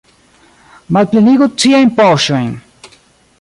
Malplenigu ciajn poŝojn!